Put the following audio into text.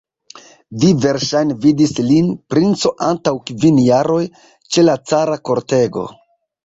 Vi verŝajne vidis lin, princo, antaŭ kvin jaroj, ĉe la cara kortego.